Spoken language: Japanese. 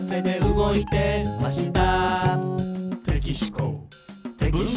「動いてました」